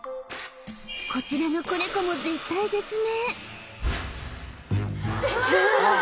こちらの子ネコも絶体絶命